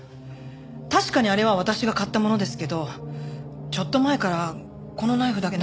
確かにあれは私が買ったものですけどちょっと前からこのナイフだけなくなってるんです。